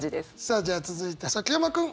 さあじゃあ続いて崎山君。